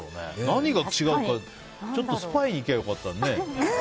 何が違うかちょっとスパイに行けば良かったね。